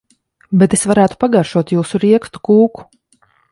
Bet es varētu pagaršotjūsu riekstu kūku.